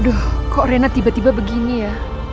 aduh kok rena tiba tiba begini ya